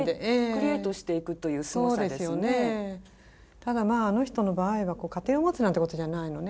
ただあの人の場合は家庭を持つなんてことじゃないのね。